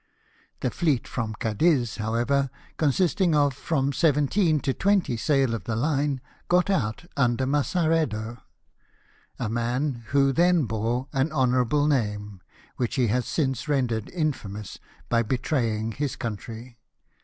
The fleet from Cadiz, however, consisting of from seventeen to twenty sail of the line, got out, under Masarredo, a man who then bore an honourable name, which he has since rendered in famous by betraying his country.